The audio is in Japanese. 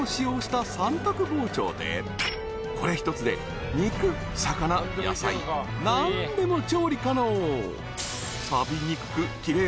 ［これ一つで肉魚野菜何でも調理可能］